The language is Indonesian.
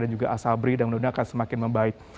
dan juga asabri dan undang undang akan semakin membaik